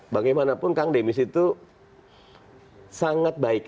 bagaimanapun kang demis itu sangat baik